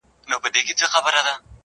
چي نه سمه نه کږه لښته پیدا سي--!